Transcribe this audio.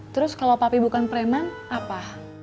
terus kalau papi bukan preman apa